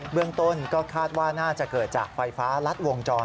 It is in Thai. เรื่องต้นก็คาดว่าน่าจะเกิดจากไฟฟ้ารัดวงจร